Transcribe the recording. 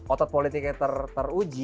otot politiknya teruji